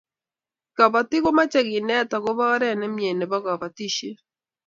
kobotik komeche kenet akobo oree nemie neebo kabotishee